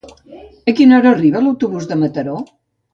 A quina hora arriba l'autobús de Mataró?